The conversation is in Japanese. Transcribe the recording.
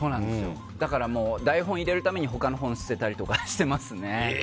だから台本を入れるために他の本を捨てたりとかしてますね。